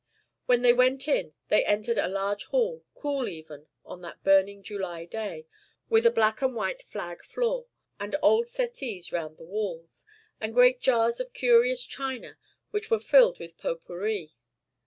When they went in, they entered a large hall, cool even on that burning July day, with a black and white flag floor, and old settees round the walls, and great jars of curious china, which were filled with pot pourrie.